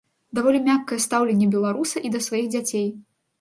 Даволі мяккае стаўленне беларуса і да сваіх дзяцей.